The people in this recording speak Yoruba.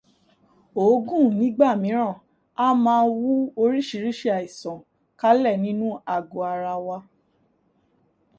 Òògùn nígbà míràn a máa wú oríṣiríṣi àìsàn kalẹ̀ nínú àgọ̀ ara wa.